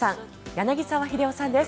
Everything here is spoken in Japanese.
柳澤秀夫さんです。